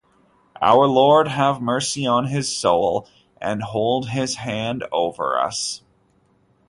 Our Lord have mercy on his soul; and hold his hand over us.